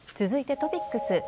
続いてトピックス。